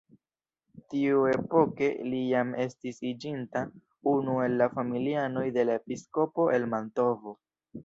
Tiuepoke li jam estis iĝinta unu el la familianoj de la episkopo el Mantovo.